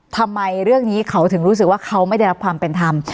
ทำไมเรื่องนี้เขาถึงรู้สึกว่าเขาไม่ได้รับความเป็นธรรม